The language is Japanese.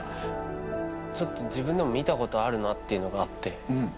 ちょっと自分でも見たことあるなっていうのがあって。